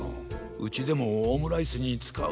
うちでもオムライスにつかう。